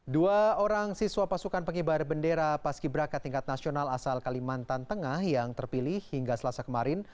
dua orang siswa pasukan pengibar bendera paski braka tingkat nasional asal kalimantan tengah yang terpilih hingga selasa kemarin